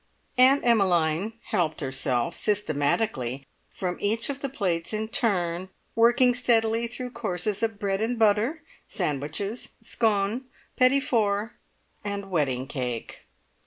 Aunt Emmeline helped herself systematically from each of the plates in turn, working steadily through courses of bread and butter, sandwiches, scone, petits fours, and wedding cake.